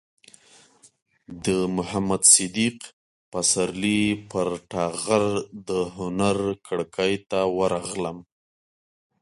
د محمد صدیق پسرلي پر ټغر د هنر کړکۍ ته ورغلم.